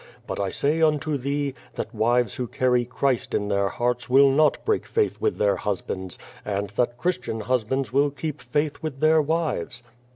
But I say unto thee, that wives who carry Clirist in | their hearts will not break faith with their husi)ands, and ' that Christian husbands will keep faith with their wives.